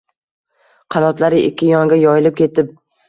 Qanotlari ikki yonga yoyilib ketib